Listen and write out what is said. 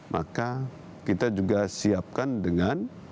maka kita juga siapkan dengan